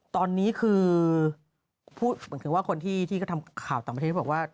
ตอนนี้คือคนที่ทำข่าวต่างประเทศบอกว่า